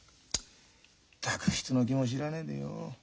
ったく人の気も知らねえでよ。